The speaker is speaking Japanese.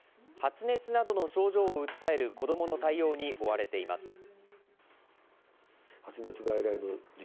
発熱などの症状を訴える子どもの対応に追われています。